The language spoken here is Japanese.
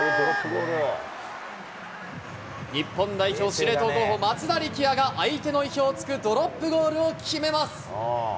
日本代表、司令塔候補、松田力也が相手の意表をつくドロップゴールを決めます。